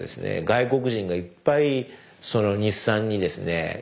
外国人がいっぱいその日産にですねやって来て。